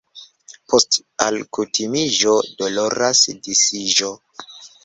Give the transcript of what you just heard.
Post alkutimiĝo doloras disiĝo.